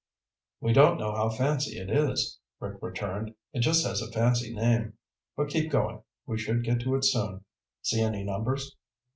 "We don't know how fancy it is," Rick returned. "It just has a fancy name. But keep going. We should get to it soon. See any numbers?"